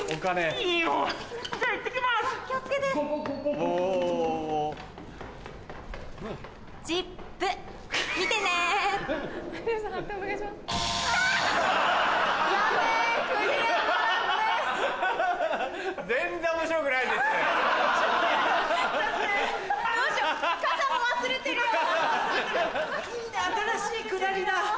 いいね新しいくだりだ。